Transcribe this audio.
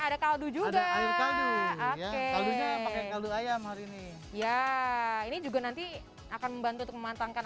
ada kaldu juga ada air kaldu kaldu ayam hari ini ya ini juga nanti akan membantu mematangkan